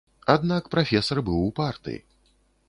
Аднак прафесар быў упарты.